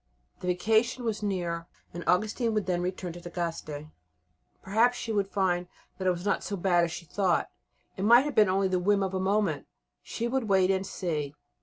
The vacation was near, and Augustine would then return to Tagaste. Perhaps she would find that it was not so bad as she had thought. It might be only the whim of a moment; she would wait and see.